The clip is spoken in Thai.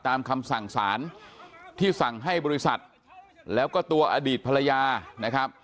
ตามคำสั่งสารที่สั่งให้บริษัทแล้วก็ตัวอดีตภรรยานะครับ